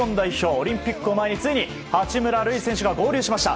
オリンピックを前についに八村塁選手が合流しました。